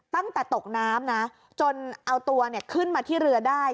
ตั้งแต่ตกน้ำนะจนเอาตัวขึ้นมาที่เรือได้